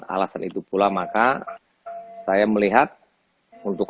alasan itu pula maka saya melihat untuk